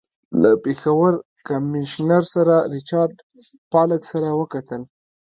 له پېښور کمیشنر سر ریچارډ پالک سره وکتل.